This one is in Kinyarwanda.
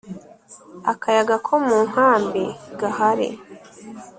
akayaga ko munkambi gahari